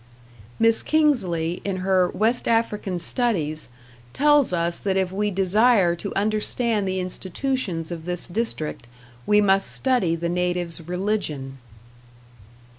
Miss Kingsley, in her "West African Studies", tells us that if we desire to understand the institutions of this district, we must study the native's religion.